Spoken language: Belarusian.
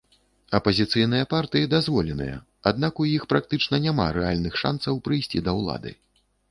Апазіцыйныя партыі дазволеныя, аднак у іх практычна няма рэальных шанцаў прыйсці да ўлады.